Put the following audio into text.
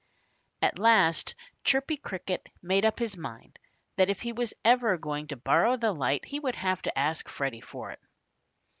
At last Chirpy Cricket made up his mind that if he was ever going to borrow the light he would have to ask Freddie for it.